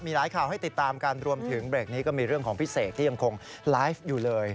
มีหลายข่าวให้ติดตามกันรวมถึงเบรกนี้ก็มีเรื่องของพี่เสกที่ยังคงไลฟ์อยู่เลย